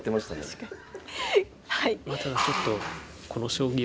確かに。